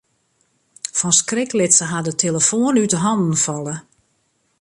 Fan skrik lit se har de telefoan út 'e hannen falle.